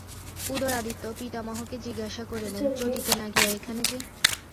উদয়াদিত্য পিতামহকে জিজ্ঞাসা করিলেন, চটিতে না গিয়া এখানে যে?